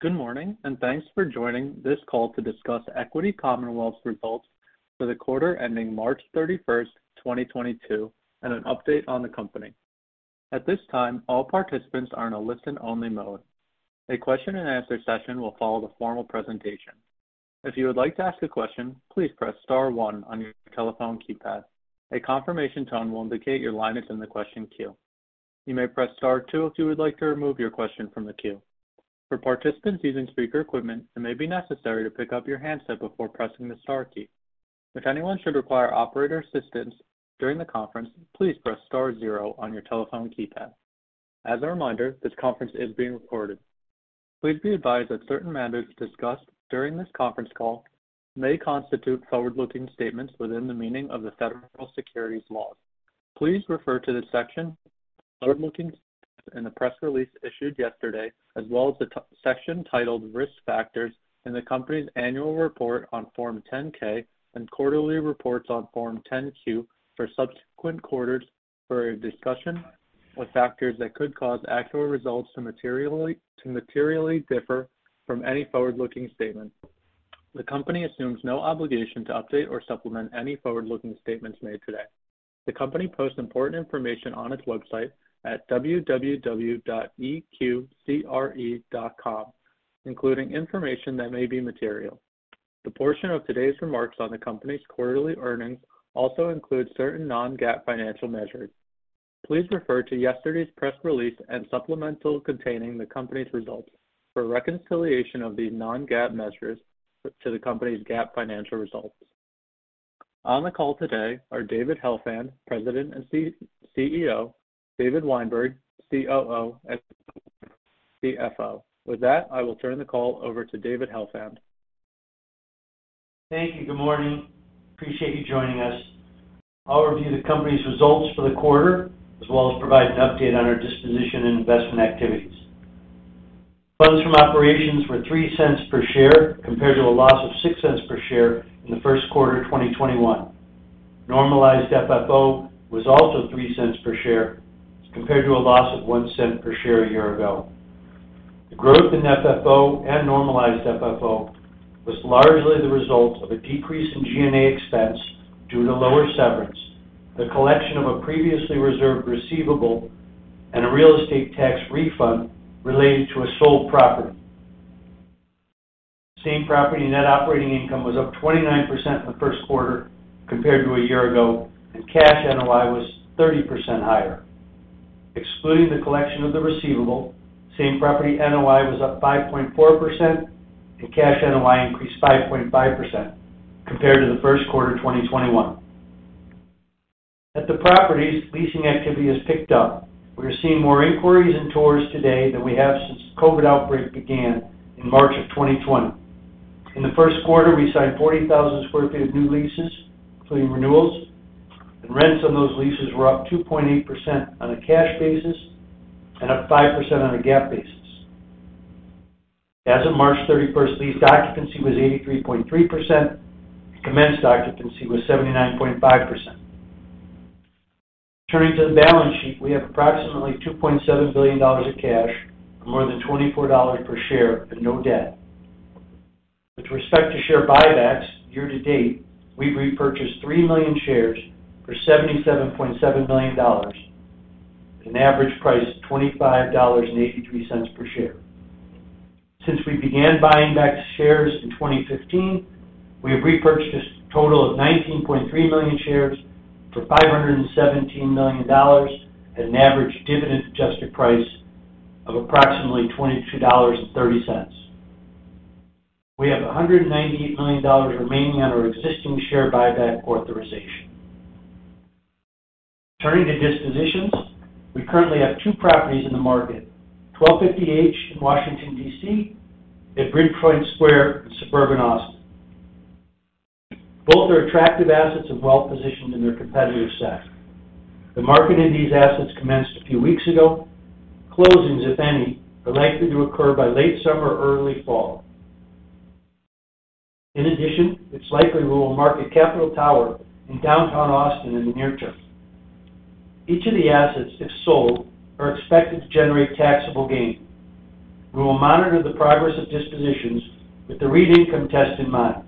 Good morning, and thanks for joining this call to discuss Equity Commonwealth results for the quarter ending March 31st, 2022, and an update on the company. At this time, all participants are in a listen-only mode. A question-and-answer session will follow the formal presentation. If you would like to ask a question, please press star one on your telephone keypad. A confirmation tone will indicate your line is in the question queue. You may press star two if you would like to remove your question from the queue. For participants using speaker equipment, it may be necessary to pick up your handset before pressing the star key. If anyone should require operator assistance during the conference, please press star zero on your telephone keypad. As a reminder, this conference is being recorded. Please be advised that certain matters discussed during this conference call may constitute forward-looking statements within the meaning of the federal securities laws. Please refer to the section on forward-looking statements in the press release issued yesterday, as well as the section titled Risk Factors in the company's annual report on Form 10-K and quarterly reports on Form 10-Q for subsequent quarters for a discussion of factors that could cause actual results to materially differ from any forward-looking statement. The company assumes no obligation to update or supplement any forward-looking statements made today. The company posts important information on its website at www.eqcre.com, including information that may be material. The portion of today's remarks on the company's quarterly earnings also include certain non-GAAP financial measures. Please refer to yesterday's press release and supplemental containing the company's results for a reconciliation of these non-GAAP measures to the company's GAAP financial results. On the call today are David Helfand, President and CEO, David Weinberg, COO, and Bill Griffiths, CFO. With that, I will turn the call over to David Helfand. Thank you. Good morning. Appreciate you joining us. I'll review the company's results for the quarter, as well as provide an update on our disposition and investment activities. Funds from operations were $0.03 per share compared to a loss of $0.06 per share in the first quarter of 2021. Normalized FFO was also $0.03 per share as compared to a loss of $0.01 per share a year ago. The growth in FFO and normalized FFO was largely the result of a decrease in G&A expense due to lower severance, the collection of a previously reserved receivable, and a real estate tax refund related to a sold property. Same property net operating income was up 29% in the first quarter compared to a year ago, and cash NOI was 30% higher. Excluding the collection of the receivable, same property NOI was up 5.4% and cash NOI increased 5.5% compared to the first quarter of 2021. At the properties, leasing activity has picked up. We are seeing more inquiries and tours today than we have since the COVID outbreak began in March of 2020. In the first quarter, we signed 40,000 sq ft of new leases, including renewals, and rents on those leases were up 2.8% on a cash basis and up 5% on a GAAP basis. As of March 31st, lease occupancy was 83.3%, and commenced occupancy was 79.5%. Turning to the balance sheet, we have approximately $2.7 billion of cash, or more than $24 per share, and no debt. With respect to share buybacks, year to date, we've repurchased 3 million shares for $77.7 million at an average price of $25.83 per share. Since we began buying back shares in 2015, we have repurchased a total of 19.3 million shares for $517 million at an average dividend adjusted price of approximately $22.30. We have $198 million remaining on our existing share buyback authorization. Turning to dispositions. We currently have two properties in the market. 1250 H in Washington, D.C., and Bridgepoint Square in suburban Austin. Both are attractive assets and well-positioned in their competitive set. The marketing of these assets commenced a few weeks ago. Closings, if any, are likely to occur by late summer or early fall. In addition, it's likely we will market Capital Tower in downtown Austin in the near term. Each of the assets, if sold, are expected to generate taxable gain. We will monitor the progress of dispositions with the REIT income test in mind.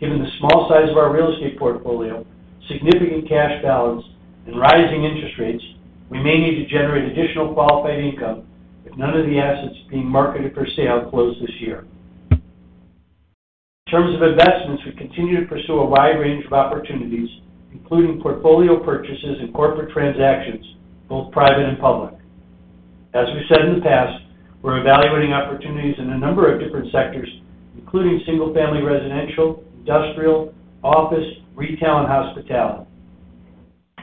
Given the small size of our real estate portfolio, significant cash balance, and rising interest rates, we may need to generate additional qualified income if none of the assets being marketed for sale close this year. In terms of investments, we continue to pursue a wide range of opportunities, including portfolio purchases and corporate transactions, both private and public. As we've said in the past, we're evaluating opportunities in a number of different sectors, including single-family residential, industrial, office, retail, and hospitality.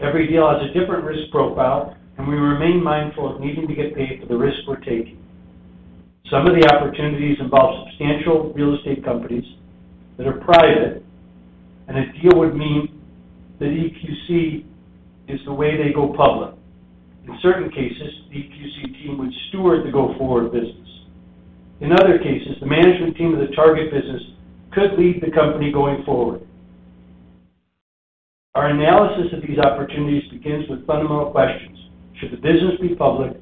Every deal has a different risk profile, and we remain mindful of needing to get paid for the risk we're taking. Some of the opportunities involve substantial real estate companies that are private, and a deal would mean that EQC is the way they go public. In certain cases, the EQC team would steward the go forward business. In other cases, the management team of the target business could lead the company going forward. Our analysis of these opportunities begins with fundamental questions. Should the business be public?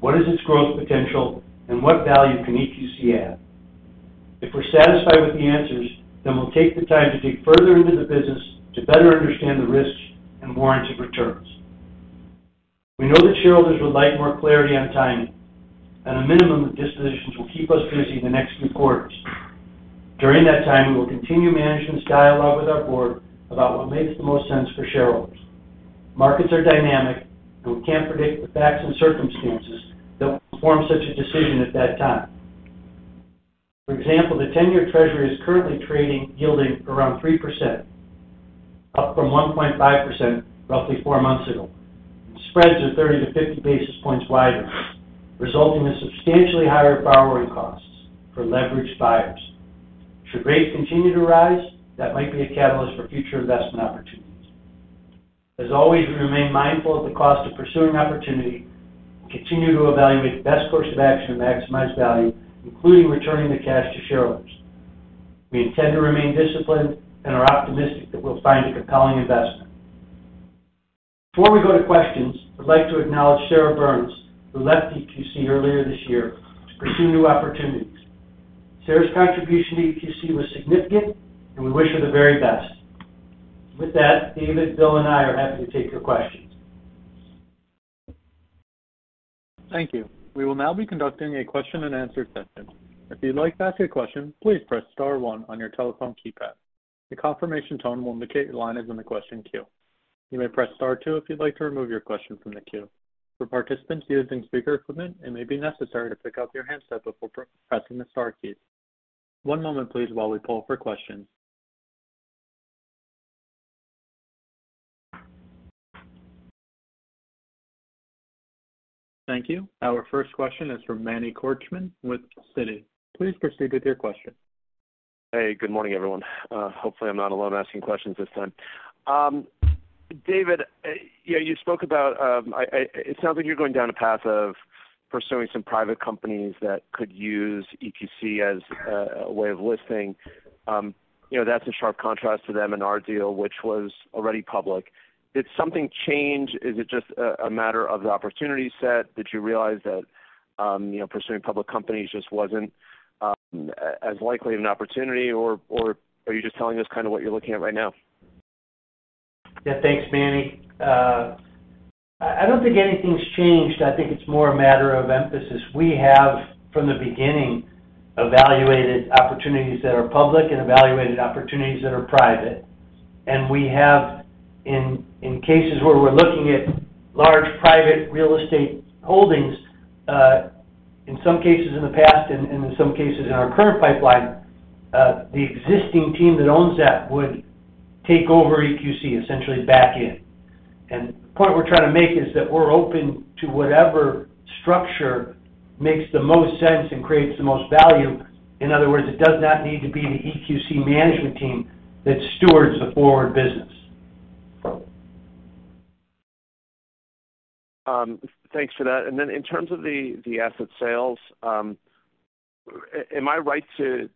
What is its growth potential? What value can EQC add? If we're satisfied with the answers, then we'll take the time to dig further into the business to better understand the risks and warrants of returns. We know that shareholders would like more clarity on timing. At a minimum, the dispositions will keep us busy the next few quarters. During that time, we will continue management's dialogue with our board about what makes the most sense for shareholders. Markets are dynamic, and we can't predict the facts and circumstances that will form such a decision at that time. For example, the ten-year treasury is currently trading yielding around 3%, up from 1.5% roughly four months ago. Spreads are 30-50 basis points wider, resulting in substantially higher borrowing costs for leveraged buyers. Should rates continue to rise, that might be a catalyst for future investment opportunities. As always, we remain mindful of the cost of pursuing opportunity and continue to evaluate the best course of action to maximize value, including returning the cash to shareholders. We intend to remain disciplined and are optimistic that we'll find a compelling investment. Before we go to questions, I'd like to acknowledge Sarah Byrnes, who left EQC earlier this year to pursue new opportunities. Sarah's contribution to EQC was significant, and we wish her the very best. With that, David, Bill, and I are happy to take your questions. Thank you. We will now be conducting a question-and-answer session. If you'd like to ask a question, please press star one on your telephone keypad. The confirmation tone will indicate your line is in the question queue. You may press star two if you'd like to remove your question from the queue. For participants using speaker equipment, it may be necessary to pick up your handset before pressing the star key. One moment, please, while we poll for questions. Thank you. Our first question is from Manny Korchman with Citi. Please proceed with your question. Hey, good morning, everyone. Hopefully, I'm not alone asking questions this time. David, yeah, you spoke about. It sounds like you're going down a path of pursuing some private companies that could use EQC as a way of listing. You know, that's a sharp contrast to the Monmouth deal, which was already public. Did something change? Is it just a matter of the opportunity set? Did you realize that, you know, pursuing public companies just wasn't as likely an opportunity or are you just telling us kind of what you're looking at right now? Yeah. Thanks, Manny. I don't think anything's changed. I think it's more a matter of emphasis. We have, from the beginning, evaluated opportunities that are public and evaluated opportunities that are private. We have, in cases where we're looking at large private real estate holdings, in some cases in the past and in some cases in our current pipeline, the existing team that owns that would take over EQC, essentially back in. The point we're trying to make is that we're open to whatever structure makes the most sense and creates the most value. In other words, it does not need to be the EQC management team that stewards the forward business. Thanks for that. In terms of the asset sales, am I right to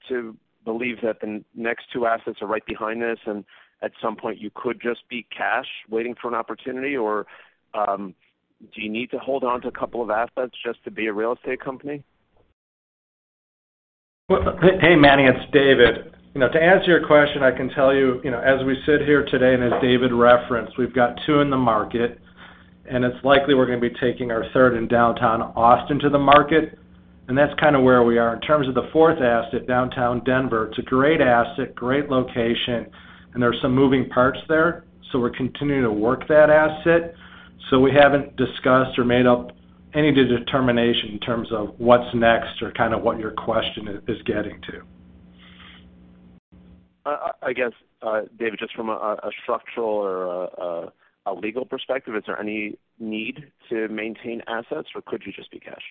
believe that the next two assets are right behind this, and at some point, you could just be cash waiting for an opportunity? Do you need to hold on to a couple of assets just to be a real estate company? Well, hey, Manny, it's David. You know, to answer your question, I can tell you know, as we sit here today, and as David referenced, we've got two in the market, and it's likely we're gonna be taking our third in downtown Austin to the market, and that's kind of where we are. In terms of the fourth asset, downtown Denver, it's a great asset, great location, and there are some moving parts there, so we're continuing to work that asset. We haven't discussed or made up any determination in terms of what's next or kind of what your question is getting to. I guess, David, just from a structural or a legal perspective, is there any need to maintain assets, or could you just be cash?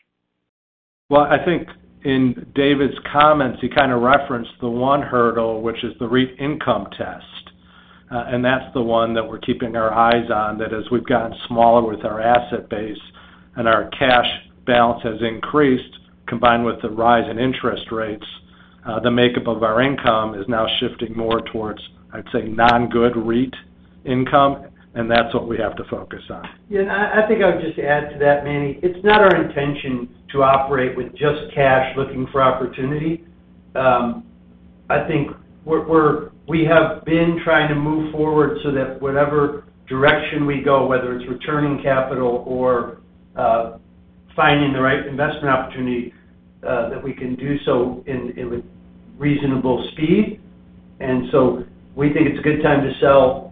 Well, I think in David's comments, he kinda referenced the one hurdle, which is the REIT income test, and that's the one that we're keeping our eyes on. That, as we've gotten smaller with our asset base and our cash balance has increased, combined with the rise in interest rates, the makeup of our income is now shifting more towards, I'd say, non-good REIT income, and that's what we have to focus on. Yeah. I think I would just add to that, Manny. It's not our intention to operate with just cash looking for opportunity. I think we have been trying to move forward so that whatever direction we go, whether it's returning capital or finding the right investment opportunity, that we can do so in with reasonable speed. We think it's a good time to sell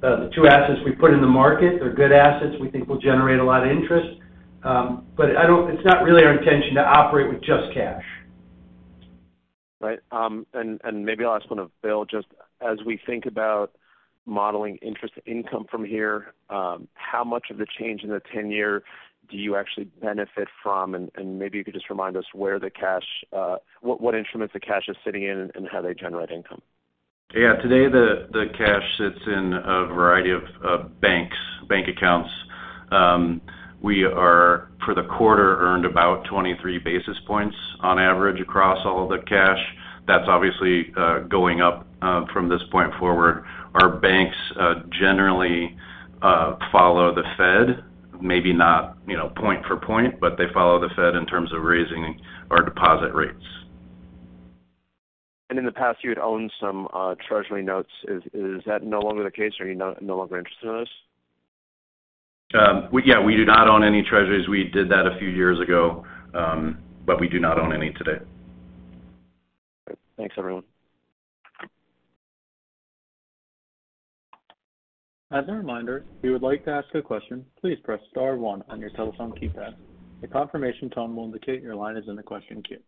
the two assets we've put in the market. They're good assets we think will generate a lot of interest. It's not really our intention to operate with just cash. Right. Maybe I'll ask Bill. Just as we think about modeling interest income from here, how much of the change in the 10-year do you actually benefit from? Maybe you could just remind us where the cash is, what instruments the cash is sitting in and how they generate income. Yeah. Today, the cash sits in a variety of banks, bank accounts. We are for the quarter earned about 23 basis points on average across all the cash. That's obviously going up from this point forward. Our banks generally follow Federal Reserve, maybe not, you know, point for point, but they follow Federal Reserve in terms of raising our deposit rates. In the past, you had owned some Treasury notes. Is that no longer the case? Are you no longer interested in those? Yeah, we do not own any treasuries. We did that a few years ago, but we do not own any today. All right. Thanks, everyone. As a reminder, if you would like to ask a question, please press star one on your telephone keypad. A confirmation tone will indicate your line is in the question queue.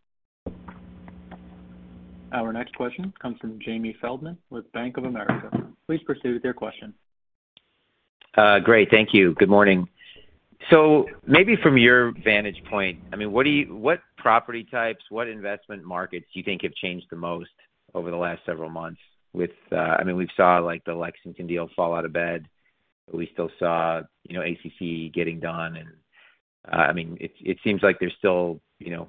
Our next question comes from Jamie Feldman with Bank of America. Please proceed with your question. Great. Thank you. Good morning. Maybe from your vantage point, I mean, what property types, what investment markets do you think have changed the most over the last several months with, I mean, we've saw like the Lexington deal fall out of bed. We still saw, you know, ACC getting done and, I mean, it seems like there's still, you know,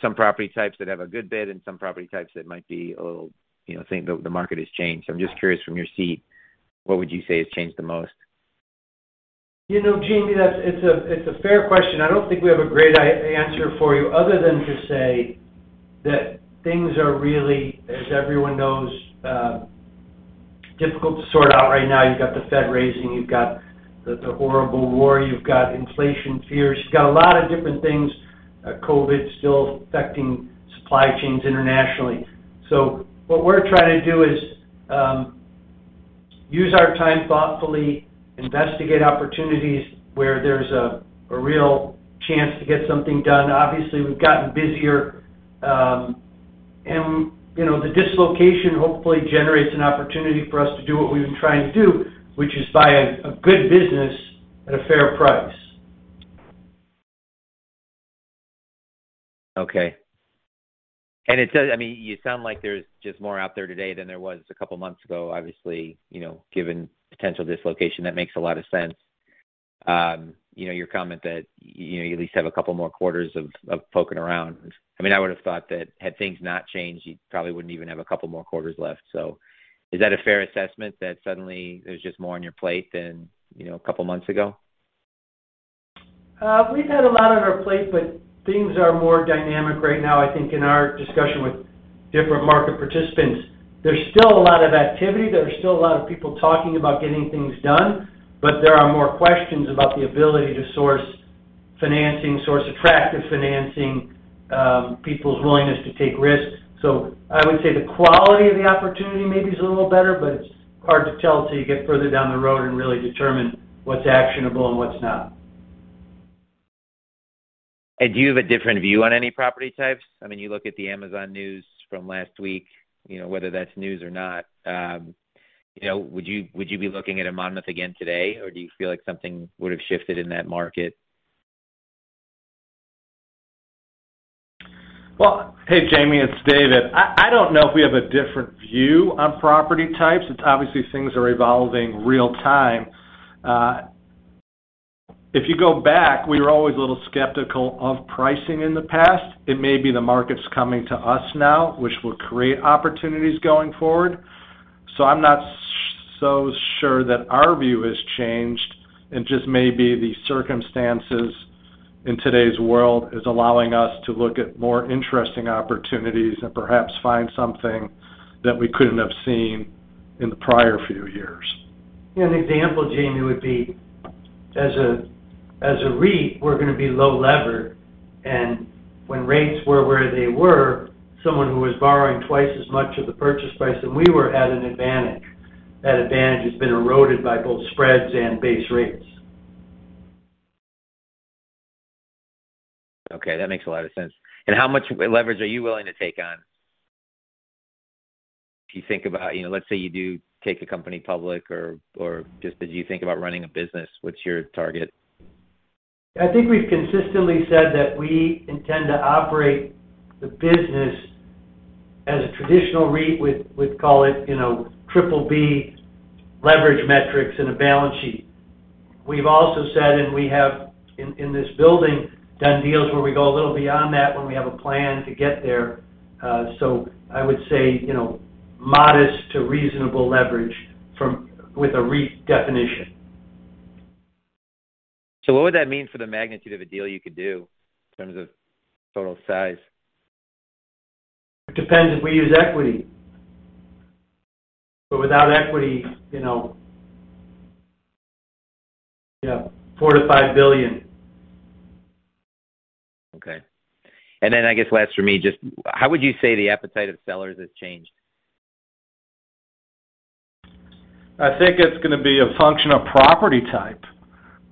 some property types that have a good bid and some property types that might be a little, you know, saying the market has changed. I'm just curious from your seat, what would you say has changed the most? You know, Jamie, it's a fair question. I don't think we have a great answer for you other than to say that things are really, as everyone knows, difficult to sort out right now. You've got Federal Reserve raising. You've got the horrible war. You've got inflation fears. You've got a lot of different things. COVID still affecting supply chains internationally. What we're trying to do is use our time thoughtfully, investigate opportunities where there's a real chance to get something done. Obviously, we've gotten busier. You know, the dislocation hopefully generates an opportunity for us to do what we've been trying to do, which is buy a good business at a fair price. Okay. It does. I mean, you sound like there's just more out there today than there was a couple months ago. Obviously, you know, given potential dislocation, that makes a lot of sense. You know, your comment that you at least have a couple more quarters of poking around. I mean, I would have thought that had things not changed, you probably wouldn't even have a couple more quarters left. Is that a fair assessment, that suddenly there's just more on your plate than, you know, a couple months ago? We've had a lot on our plate, but things are more dynamic right now, I think, in our discussion with different market participants. There's still a lot of activity. There are still a lot of people talking about getting things done, but there are more questions about the ability to source financing, source attractive financing, people's willingness to take risks. I would say the quality of the opportunity maybe is a little better, but it's hard to tell till you get further down the road and really determine what's actionable and what's not. Do you have a different view on any property types? I mean, you look at the Amazon news from last week, you know, whether that's news or not. You know, would you be looking at a Monmouth again today, or do you feel like something would've shifted in that market? Well, hey, Jamie, it's David. I don't know if we have a different view on property types. It's obviously things are evolving real time. If you go back, we were always a little skeptical of pricing in the past. It may be the market's coming to us now, which will create opportunities going forward. I'm not so sure that our view has changed and just maybe the circumstances in today's world is allowing us to look at more interesting opportunities and perhaps find something that we couldn't have seen in the prior few years. An example, Jamie, would be as a REIT, we're gonna be low levered, and when rates were where they were, someone who was borrowing twice as much of the purchase price than we were at an advantage. That advantage has been eroded by both spreads and base rates. Okay, that makes a lot of sense. How much leverage are you willing to take on if you think about, you know, let's say you do take a company public or just as you think about running a business, what's your target? I think we've consistently said that we intend to operate the business as a traditional REIT with call it, you know, BBB leverage metrics in a balance sheet. We've also said, and we have in this business, done deals where we go a little beyond that when we have a plan to get there. I would say, you know, modest to reasonable leverage with a REIT definition. What would that mean for the magnitude of a deal you could do in terms of total size? It depends if we use equity. Without equity, you know, yeah, $4 bill-$5 billion. Okay. I guess last for me, just how would you say the appetite of sellers has changed? I think it's gonna be a function of property type,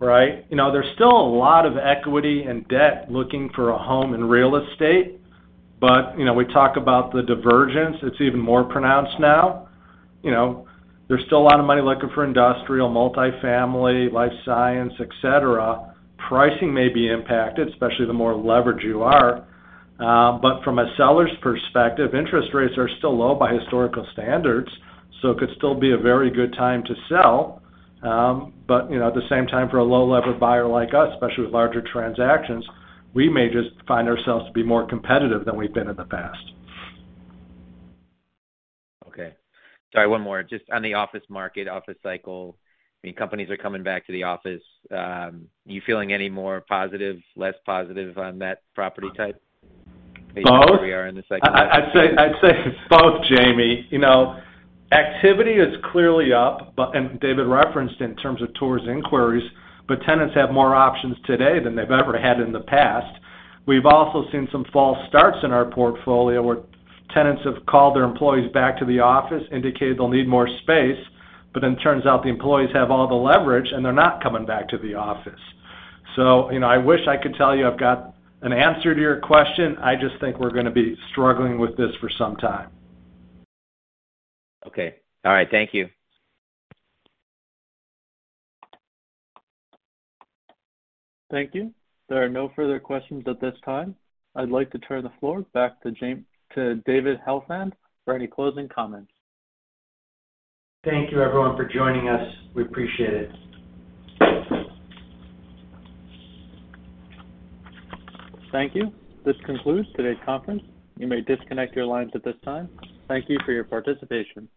right? You know, there's still a lot of equity and debt looking for a home in real estate, but, you know, we talk about the divergence, it's even more pronounced now. You know, there's still a lot of money looking for industrial, multi-family, life science, et cetera. Pricing may be impacted, especially the more leverage you are. From a seller's perspective, interest rates are still low by historical standards, so it could still be a very good time to sell. At the same time, for a low-leverage buyer like us, especially with larger transactions, we may just find ourselves to be more competitive than we've been in the past. Okay. Sorry, one more. Just on the office market, office cycle, I mean, companies are coming back to the office. Are you feeling any more positive, less positive on that property type we are in this cycle? I'd say both, Jamie. You know, activity is clearly up, but, and David referenced in terms of tours and inquiries, but tenants have more options today than they've ever had in the past. We've also seen some false starts in our portfolio, where tenants have called their employees back to the office, indicated they'll need more space, but then it turns out the employees have all the leverage, and they're not coming back to the office. So, you know, I wish I could tell you I've got an answer to your question. I just think we're gonna be struggling with this for some time. Okay. All right. Thank you. Thank you. There are no further questions at this time. I'd like to turn the floor back to David Helfand for any closing comments. Thank you everyone for joining us. We appreciate it. Thank you. This concludes today's conference. You may disconnect your lines at this time. Thank you for your participation.